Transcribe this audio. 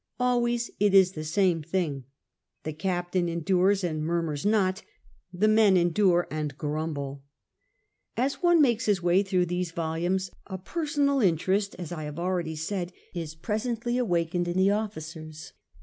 Always it is the same thing. The caj>taiij endures and inunniirs not, the men endure ami gnimblo. As one makes his way tlii'ough these volumes, a personal interest, as I have already said, is presently awakened in the oflicers.